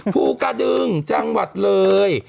ภูกระดึงจังหวัดเลย